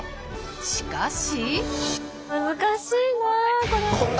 しかし。